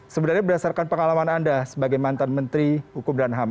sebenarnya berdasarkan pengalaman anda sebagai mantan menteri hukum dan ham